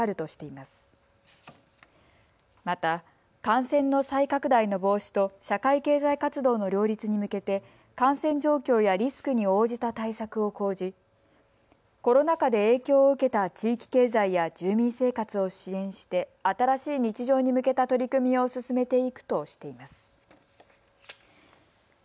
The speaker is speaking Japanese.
また感染の再拡大の防止と社会経済活動の両立に向けて感染状況やリスクに応じた対策を講じコロナ禍で影響を受けた地域経済や住民生活を支援して新しい日常に向けた取り組みを進めていくとしています。